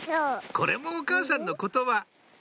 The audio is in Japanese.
これもお母さんの言葉